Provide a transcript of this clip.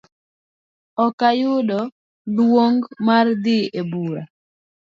Okayudo luong mar dhi ebura